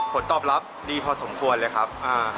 ผลตอบรับดีพอสมควรเลยครับ